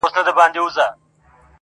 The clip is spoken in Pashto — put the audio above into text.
لا ویده پښتون له ځانه بېخبر دی-